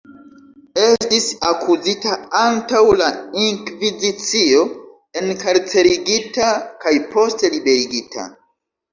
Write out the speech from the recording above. Estis akuzita antaŭ la Inkvizicio, enkarcerigita kaj poste liberigita.